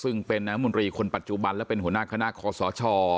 ซึ่งเป็นน้ำมนตรีคนปัจจุบันและเป็นหัวหน้าคณะคอสช